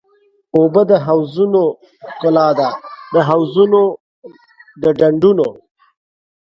اوبه د حوضونو ښکلا ده.